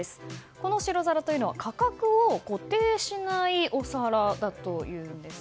この白皿というのは価格を固定しないお皿だというんです。